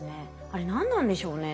あれ何なんでしょうね？